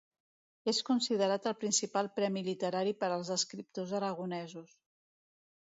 És considerat el principal premi literari per als escriptors aragonesos.